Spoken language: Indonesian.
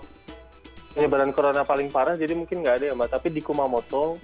karena penyebaran corona paling parah jadi mungkin nggak ada ya mbak tapi di kumamoto